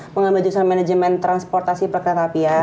mengambil jurusan manajemen transportasi per kereta harpian